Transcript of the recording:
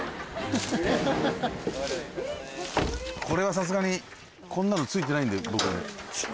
これはさすがにこんなのついてないんで僕。